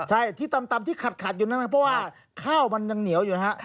ใช่ที่ตำที่ขัดอยู่นั่นไหมเพราะว่าข้าวมันยังเหนียวอยู่นะฮะ